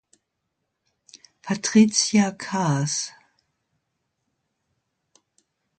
Patrizia Kaas